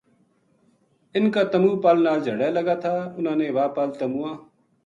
اِنھ کا تمو پل نال جھَڑے لگا تھا اِنھاں نے واہ پل تمواں